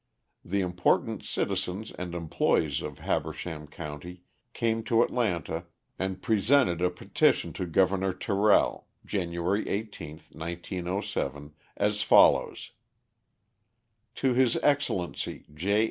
The important citizens and employers of Habersham County came to Atlanta and presented a petition to Governor Terrell, January 18, 1907, as follows: TO HIS EXCELLENCY, J.